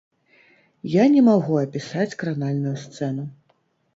Я не магу апісаць кранальную сцэну!